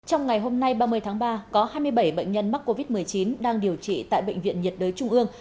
trong ngày hôm nay ba mươi tháng ba có hai mươi bảy bệnh nhân mắc covid một mươi chín đang điều trị tại bệnh viện nhiệt đới trung ương